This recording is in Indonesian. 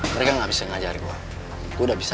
mereka gak bisa ngajar gue gue udah bisa